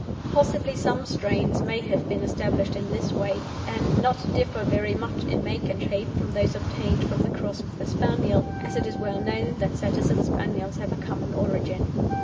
Possibly some strains may have been established in this way, and not differ very much in make and shape from those obtained from the cross with the Spaniel, as it is well known that Setters and Spaniels have a common origin.